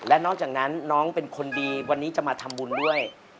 และนอกจากนั้นน้องเป็นคนดีวันนี้จะมาทำบุญด้วย